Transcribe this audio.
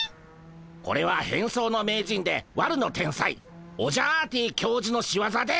これは変装の名人で悪の天才オジャアーティ教授の仕業でゴンス。